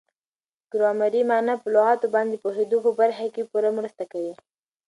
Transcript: ګرامري مانا په لغاتو باندي د پوهېدو په برخه کښي پوره مرسته کوي.